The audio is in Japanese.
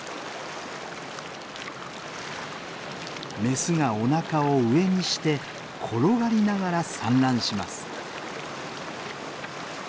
メスがおなかを上にして転がりながら産卵します。